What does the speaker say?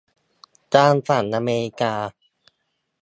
ทางฝั่งอเมริกา